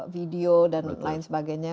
video dan lain sebagainya